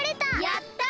やった！